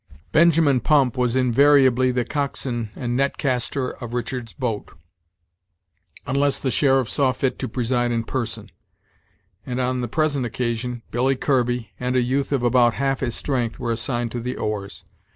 Benjamin Pump was invariably the coxswain and net caster of Richard's boat, unless the sheriff saw fit to preside in person: and, on the present occasion, Billy Kirby, and a youth of about half his strength, were assigned to the oars.